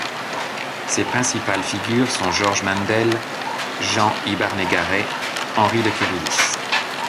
Ses principales figures sont Georges Mandel, Jean Ybarnegaray, Henri de Kérillis.